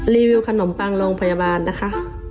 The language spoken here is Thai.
รีวิวขนมปังโรงพยาบาลนะคะ